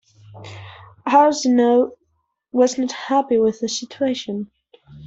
Arsinoe was not happy with the situation.